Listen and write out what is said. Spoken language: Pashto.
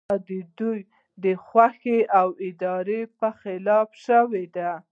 دا د دوی د خوښې او ارادې په خلاف شوې ده.